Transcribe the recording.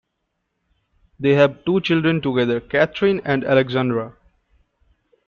They have two children together, Katherine and Alexandra.